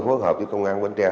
phối hợp với công an bến tre